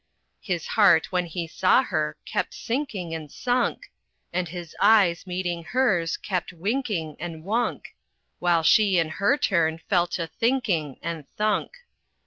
His heart, when he saw her, kept sinking, and sunk, And his eyes, meeting hers, kept winking, and wunk; While she, in her turn, fell to thinking, and thunk.